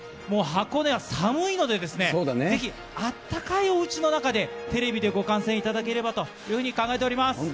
もう箱根は寒いのでね、ぜひあったかいおうちの中で、テレビでご観戦いただければというふうに考えております。